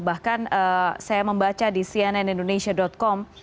bahkan saya membaca di cnnindonesia com